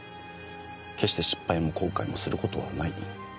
決して失敗も後悔もする事はない。